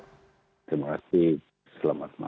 terima kasih selamat malam